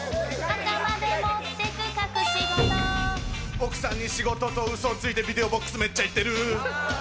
奥さんに仕事とうそついてビデオボックスめっちゃ行ってる。